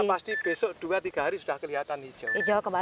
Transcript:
yang pasti besok dua tiga hari sudah kelihatan hijau